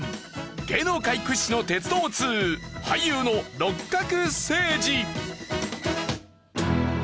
芸能界屈指の鉄道ツウ俳優の六角精児。